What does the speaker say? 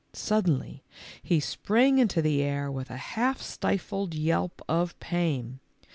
Suddenly he sprang into the air with a half stifled yelp of pain.